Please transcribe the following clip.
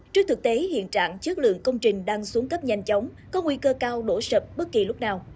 trước thực tế hiện trạng chất lượng công trình đang xuống cấp nhanh chóng có nguy cơ cao đổ sập bất kỳ lúc nào